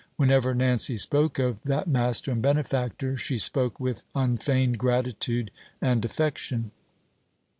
Whenever Nancy spoke of that master and benefactor, she spoke with unfeigned gratitude and affection.